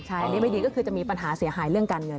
อันนี้ไม่ดีก็คือจะมีปัญหาเสียหายเรื่องการเงิน